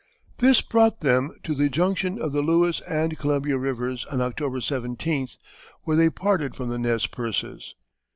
This brought them to the junction of the Lewis and Columbia Rivers on October 17th, where they parted from the Nez Percés.